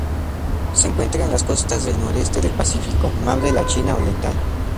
Se encuentra en las costas del noroeste del Pacífico: mar de la China Oriental.